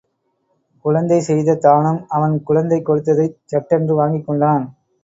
குழந்தை செய்த தானம் அவன் குழந்தை கொடுத்ததைச் சட்டென்று வாங்கிக் கொண்டான்.